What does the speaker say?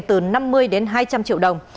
từ năm mươi đến hai trăm linh triệu đồng